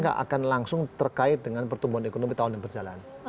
tidak akan langsung terkait dengan pertumbuhan ekonomi tahun yang berjalan